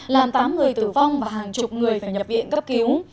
làm tám người tử vong và hàng chục người phải nhập viện cấp cứu